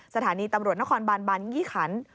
สถานีตำรวจนครบานบางยี่ขัน